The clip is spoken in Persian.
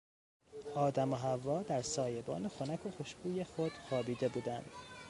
آدم و حوا در سایبان خنک و خوشبوی خود خوابیده بودند.